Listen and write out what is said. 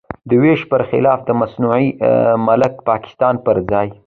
د وېش پر خلاف د مصنوعي ملک پاکستان پر ځای.